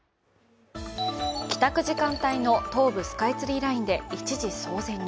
帰宅時間帯の東武スカイツリーラインで、一時騒然に。